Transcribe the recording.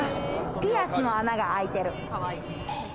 ピアスの穴が開いてる。